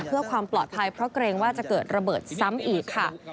เพื่อความปลอดภัยเพราะเกรงว่าจะเกิดระเบิดซ้ำอีกค่ะ